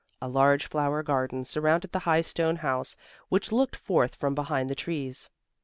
A large flower garden surrounded the high stone house, which looked forth from behind the trees.